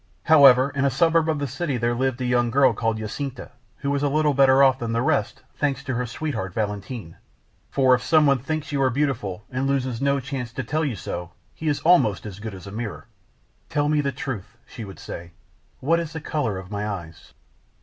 However, in a suburb of the city there lived a young girl called Jacinta, who was a little better off than the rest, thanks to her sweetheart, Valentin. For if someone thinks you are beautiful, and loses no chance to tell you so, he is almost as good as a mirror. "Tell me the truth," she would say; "what is the color of my eyes?"